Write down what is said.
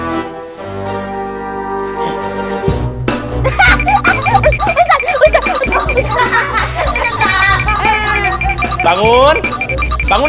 ustaz musa yang mulia dasantun